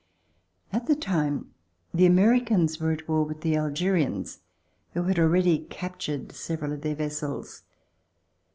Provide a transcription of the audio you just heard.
At the time, the Americans were at war with the Algerians, who had already captured several of their vessels.